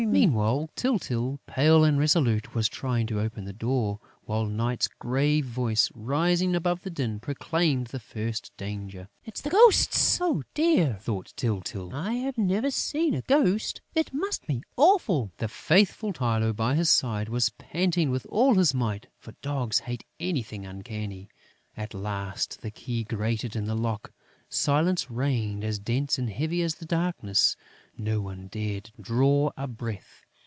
Meanwhile, Tyltyl, pale and resolute, was trying to open the door, while Night's grave voice, rising above the din, proclaimed the first danger. "It's the Ghosts!" "Oh, dear!" thought Tyltyl. "I have never seen a ghost: it must be awful!" The faithful Tylô, by his side, was panting with all his might, for dogs hate anything uncanny. At last, the key grated in the lock. Silence reigned as dense and heavy as the darkness. No one dared draw a breath.